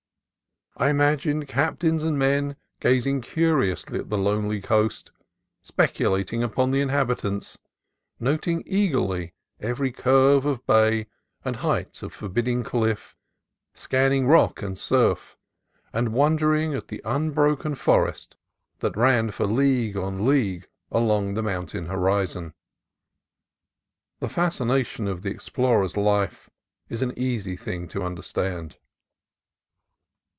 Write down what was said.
I imagined cap tains and men gazing curiously at the lonely coast, speculating upon the inhabitants, noting eagerly every curve of bay and height of forbidding cliff, scanning rock and surf, and wondering at the un broken forest that ran for league on league along the mountain horizon. The fascination of the explorer's life is an easy thing to understand.